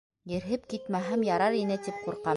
Ерһеп китмәһәм ярар ине тип ҡурҡам.